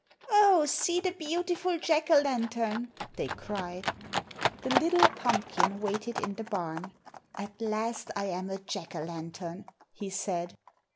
"Oh, see the beautiful Jack o' lantern!" they cried. The little pumpkin waited in the barn. "At last I am a Jack o' lantern," he said.